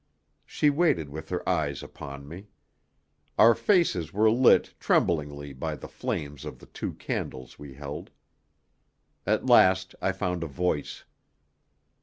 She waited with her eyes upon me. Our faces were lit tremblingly by the flames of the two candles we held. At last I found a voice.